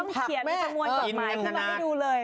ชื่อน่าดูเลย